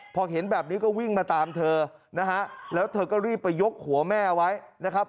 พอเห็นแบบนี้ก็วิ่งมาตามเธอนะฮะแล้วเธอก็รีบไปยกหัวแม่ไว้นะครับ